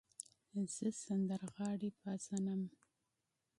زه سندرغاړی پیژنم.